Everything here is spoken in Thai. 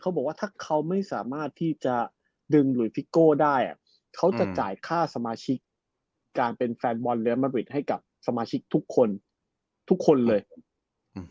บอกว่าถ้าเขาไม่สามารถที่จะดึงหลุยฟิโก้ได้อ่ะเขาจะจ่ายค่าสมาชิกการเป็นแฟนบอลเลอร์มาริดให้กับสมาชิกทุกคนทุกคนเลยอืม